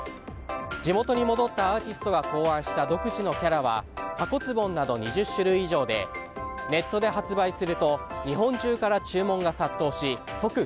地元に戻ったアーティストが考案した独自のキャラはタコツボンなど２０種類以上でネットで発売すると日本中から注文が殺到し即